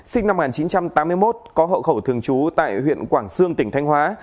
sinh năm một nghìn chín trăm tám mươi một có hậu khẩu thường trú tại huyện quảng sương tỉnh thanh hóa